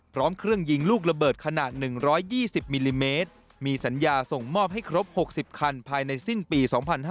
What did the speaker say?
พร้อมเครื่องยิงลูกระเบิดขนาด๑๒๐มิลลิเมตรมีสัญญาส่งมอบให้ครบ๖๐คันภายในสิ้นปี๒๕๕๙